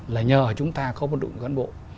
là nhờ chúng ta có một đội ngũ cán bộ